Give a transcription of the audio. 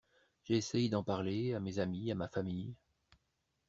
J’ai essayé d’en parler, à mes amis, à ma famille.